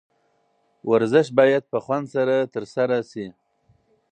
ورزش باید په خوند سره ترسره شي.